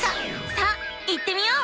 さあ行ってみよう！